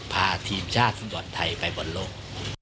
พาทีมชาติสนดรไทยไปบนโลก